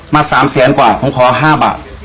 ๓แสนกว่าผมขอ๕บาท